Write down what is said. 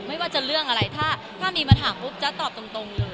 ไม่ว่าจะเรื่องอะไรถ้ามีมาถามปุ๊บจ๊ะตอบตรงเลย